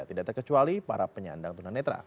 tidak terkecuali para penyandang tuna netra